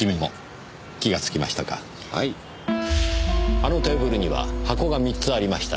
あのテーブルには箱が三つありました。